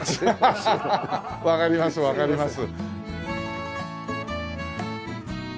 ハハハハわかりますわかります。